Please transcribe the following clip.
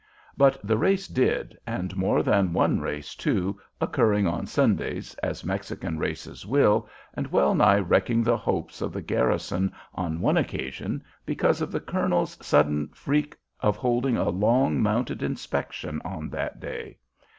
But the race did, and more than one race, too, occurring on Sundays, as Mexican races will, and well nigh wrecking the hopes of the garrison on one occasion because of the colonel's sudden freak of holding a long mounted inspection on that day.